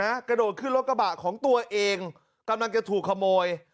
กระโดดขึ้นรถกระบะของตัวเองกำลังจะถูกขโมย